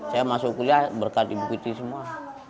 saya masuk kuliah berkat ibu putih semua